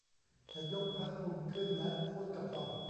ฉันยกผ้าคลุมขึ้นและพูดกับหล่อน